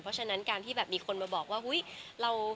เพราะฉะนั้นการที่แบบมีคนมาบอกว่าอุ๊ย